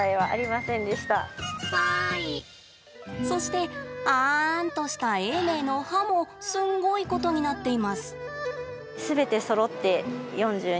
そして、あんとした永明の歯もすんごいことになっています。